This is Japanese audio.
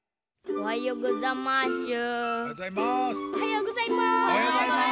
おはようございます。